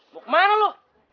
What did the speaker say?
mau kemana lu